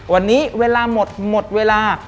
วันนี้เวลาหมดหมดเวลา